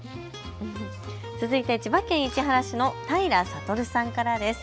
続いて千葉県市原市の平悟さんからです。